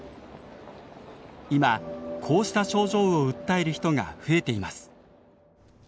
今こうした症状を訴える人が増えています。